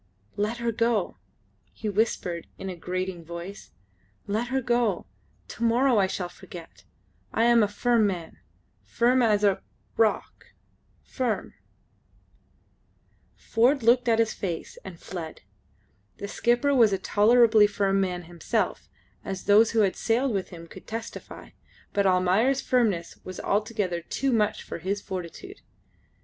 "Let her go!" he whispered in a grating voice. "Let her go. To morrow I shall forget. I am a firm man, ... firm as a ... rock, ... firm ..." Ford looked at his face and fled. The skipper was a tolerably firm man himself as those who had sailed with him could testify but Almayer's firmness was altogether too much for his fortitude.